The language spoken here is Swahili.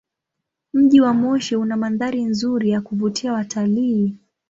Mji wa Moshi una mandhari nzuri ya kuvutia watalii.